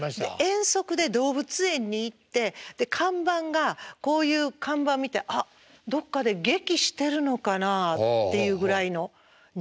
遠足で動物園に行って看板がこういう看板見て「あどっかで劇してるのかなあ」っていうぐらいの認識。